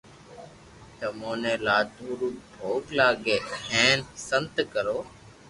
تمو ني لادو رو ڀوگ لاگي ھين سنت ڪرو